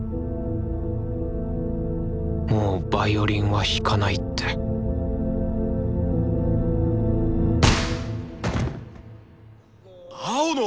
もうヴァイオリンは弾かないって青野！